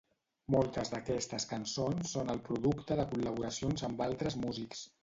Moltes d'aquestes cançons són el producte de col·laboracions amb altres músics.